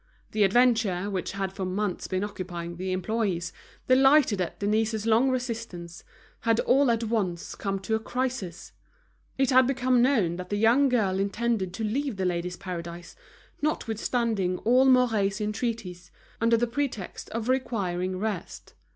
The adventure, which had for months been occupying the employees, delighted at Denise's long resistance, had all at once come to a crisis; it had become known that the young girl intended to leave The Ladies' Paradise, notwithstanding all Mouret's entreaties, under the pretext of requiring rest.